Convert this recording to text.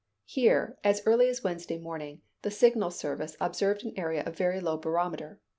Here, as early as Wednesday morning, the Signal Service observed an area of very low barometer.